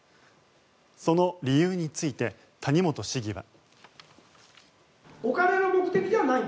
その理由について谷本市議は。